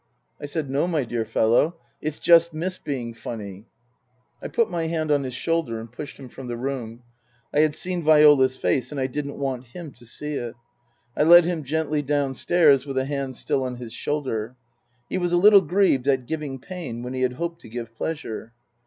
I said, " No, my dear fellow, it's just missed being funny." I put my hand on his shoulder and pushed him from the room. (I had seen Viola's face and I didn't want him to see it.) I led him gently downstairs with a hand still on his shoulder. He was a little grieved at giving pain when he had hoped to give pleasure.